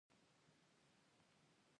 له ساحل سره نږدې مو د ماهیانو نیول پیل کړل.